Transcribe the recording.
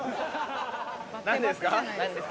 何ですか？